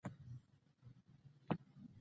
تعلیم د ټولنې په پرمختګ کې مهم رول لري.